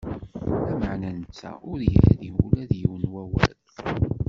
Lameɛna netta ur s-yerri ula d yiwen n wawal.